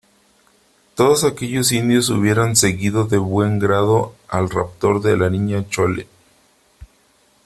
todos aquellos indios hubieran seguido de buen grado al raptor de la Niña Chole .